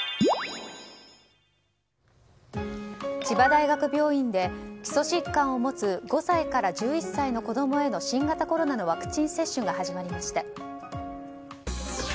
千葉大学病院で基礎疾患を持つ５歳から１１歳の子供への新型コロナのワクチン接種が始まりました。